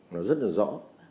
nó rất là rõ